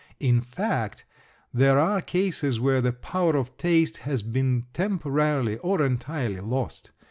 In fact there are cases where the power of taste has been temporarily or entirely lost.